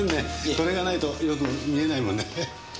これがないとよく見えないもので。